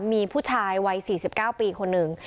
มีผู้ชายวัย๔๙ปีคนหนึ่ง